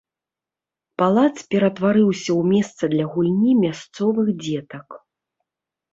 Палац ператварыўся ў месца для гульні мясцовых дзетак.